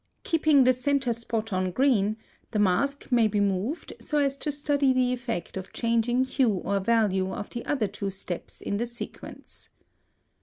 Keeping the centre spot on green, the mask may be moved so as to study the effect of changing hue or value of the other two steps in the sequence.